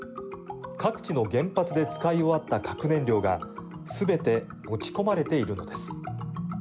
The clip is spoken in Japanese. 各地の原発で使い終わった核燃料がすべて持ち込まれているのです。